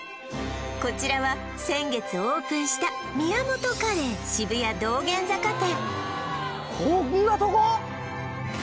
こちらは先月オープンした宮本カレー渋谷道玄坂店